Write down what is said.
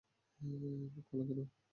মুখ ফোলা কেন?